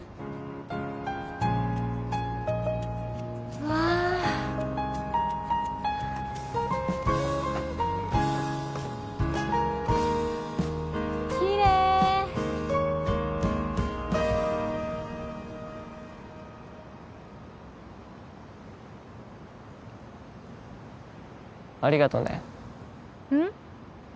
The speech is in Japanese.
うわあキレイありがとねうん？